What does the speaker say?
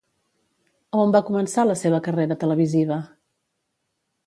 A on va començar la seva carrera televisiva?